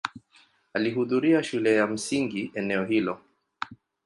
Alihudhuria shule ya msingi eneo hilo.